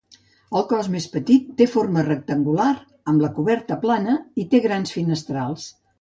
El cos més petit té forma rectangular, amb la coberta plana, i té grans finestrals.